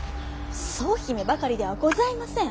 総姫ばかりではございません。